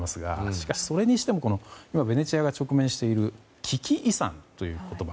しかし、それにしても今ベネチアが直面している危機遺産という言葉。